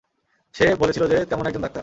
সে বলেছিল যে, তেমন একজন ডাক্তার।